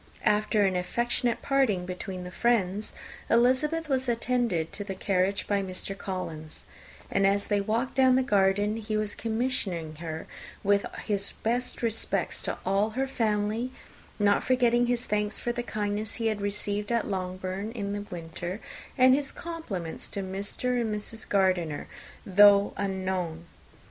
After an affectionate parting between the friends, Elizabeth was attended to the carriage by Mr. Collins; and as they walked down the garden, he was commissioning her with his best respects to all her family, not forgetting his thanks for the kindness he had received at Longbourn in the winter, and his compliments to Mr. and Mrs. Gardiner, though unknown.